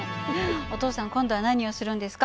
お父さん今度は何をするんですか？